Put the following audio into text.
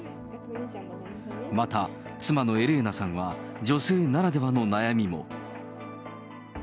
また、妻のエレーナさんは、女性ならではの悩みも。